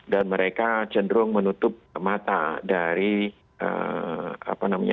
dan mereka cenderung menutup mata dari praktek praktek terorisme yang dilakukan oleh pemerintah